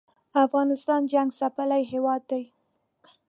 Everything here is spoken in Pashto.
افغانستان جنګ څپلی هېواد دی